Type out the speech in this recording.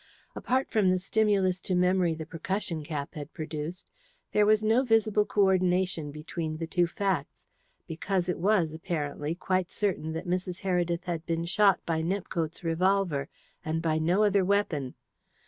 Apart from the stimulus to memory the percussion cap had produced, there was no visible co ordination between the two facts, because it was, apparently, quite certain that Mrs. Heredith had been shot by Nepcote's revolver, and by no other weapon.